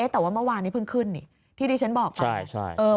แต่ว่าเมื่อวานนี้เพิ่งขึ้นนี่ที่ดิฉันบอกไป